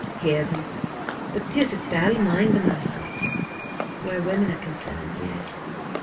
"Heavens, but 'tis a foul mind the man's got!" "Where women are concerned, yes.